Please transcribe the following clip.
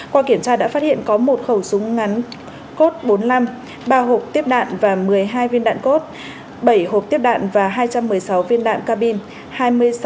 qua kiểm tra đã phát hiện có một khẩu súng ngắn cốt bốn mươi năm ba hộp tiếp đạn và một mươi hai viên đạn cốt bảy hộp tiếp đạn và hai trăm một mươi sáu viên đạn cabin